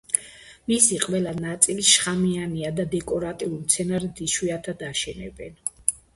მისი ყველა ნაწილი შხამიანია და დეკორატიულ მცენარედ იშვიათად აშენებენ.